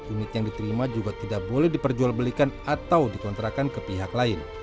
unit yang diterima juga tidak boleh diperjualbelikan atau dikontrakan ke pihak lain